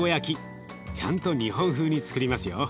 ちゃんと日本風につくりますよ。